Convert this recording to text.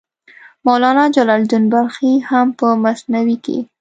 مولانا جلال الدین بلخي هم په مثنوي کې.